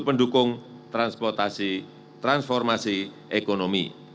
pendukung transportasi transformasi ekonomi